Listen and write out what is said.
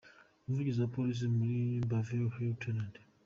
Umuvugizi wa Polisi muri Beverly Hills, Lt.